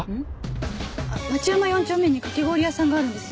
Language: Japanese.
町山４丁目にかき氷屋さんがあるんです